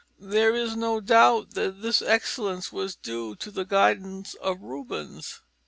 There is no doubt that this excellence was due to the guidance of Rubens.